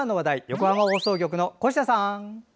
横浜放送局の越田さん。